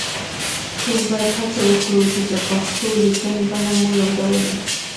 ټول باید هڅه وکړو چې د پښتو لیکنې بڼه مو يو ډول وي